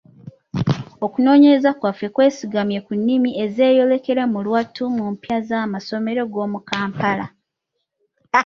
Okunoonyereza kwaffe kwesigamye ku nnimi ezeeyolekera mu lwatu mu mpya z'amasomero g'omu Kampala.